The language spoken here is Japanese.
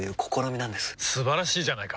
素晴らしいじゃないか！